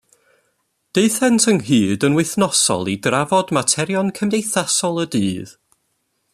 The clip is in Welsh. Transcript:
Daethant ynghyd yn wythnosol i drafod materion cymdeithasol y dydd.